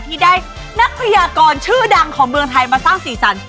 ที่ได้นักพยากรชื่อดังของเมืองไทยมาสร้างสีสัน